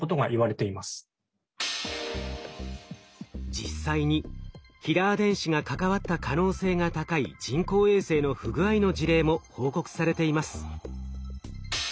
実際にキラー電子が関わった可能性が高い人工衛星の不具合の事例も報告されています。